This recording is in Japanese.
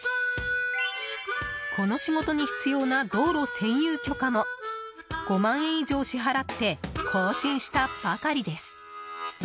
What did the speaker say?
この仕事に必要な道路占有許可も５万円以上支払って更新したばかりです。